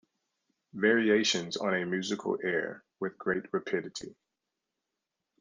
Variations on a musical air With great rapidity.